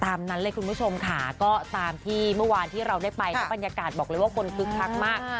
ตามนั้นเลยคุณผู้ชมค่ะก็ตามที่เมื่อวานที่เราได้ไปนะบรรยากาศบอกเลยว่าคนคึกคักมาก